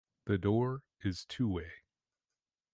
The door is two-way.